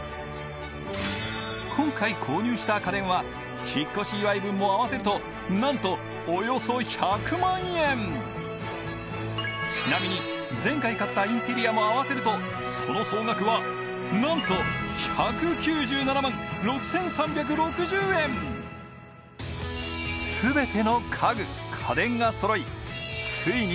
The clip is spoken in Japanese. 今回購入した家電は引っ越し祝い分も合わせるとなんとおよそ１００万円ちなみに前回買ったインテリアも合わせるとその総額はなんと１９７万６３６０円ついに来ました